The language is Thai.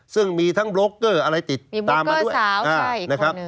ซึ่งมีทั้งโบรกเกอร์อะไรติดตามมาด้วยนะครับ